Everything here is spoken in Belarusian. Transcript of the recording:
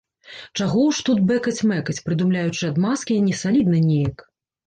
Чаго ўжо тут бэкаць-мэкаць, прыдумляючы адмазкі, несалідна неяк.